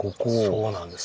そうなんです。